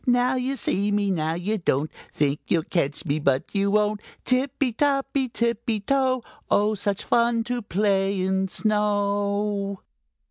Now you see me! Now you don't! Think you'll catch me, but you won't! Tippy toppy tippy toe, Oh, such fun to play in snow!"